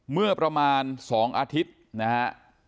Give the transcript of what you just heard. เมื่อประมาณ๒อาทิตย์นะฮะ